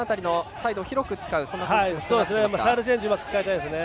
サイドチェンジをうまく使いたいですね。